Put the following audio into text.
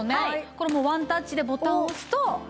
これもワンタッチでボタンを押すと。